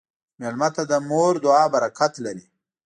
مېلمه ته د مور دعا برکت لري.